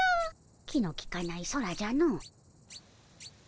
気のきかない空じゃの。